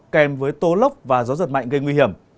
kèm với tố lốc và gió giật mạnh gây nguy hiểm